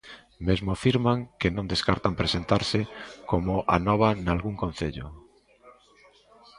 Mesmo afirman que non descartan presentarse como Anova nalgún concello.